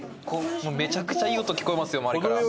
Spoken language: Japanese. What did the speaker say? めちゃくちゃいい音聞こえますよ周りから。